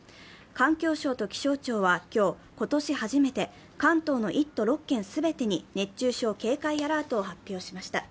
環境省と気象庁は今日、今年初めて関東の１都６県全てに熱中症警戒アラートを発表しました。